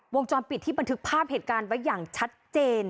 วงจรปิดที่บันทึกภาพเหตุการณ์ไว้อย่างชัดเจน